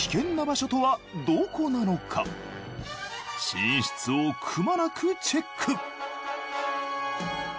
寝室をくまなくチェック